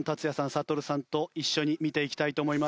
ＳＡＴＯＲＵさんと一緒に見ていきたいと思います。